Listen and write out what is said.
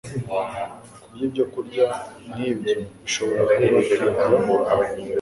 Kurya ibyokurya nnk’ibyo bishobora kubateza